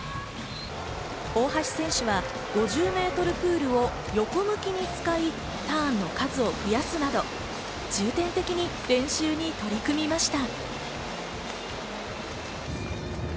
大橋選手は５０ｍプールを横向きに使い、ターンの数を増やすなど、重点的に練習に取り組みました。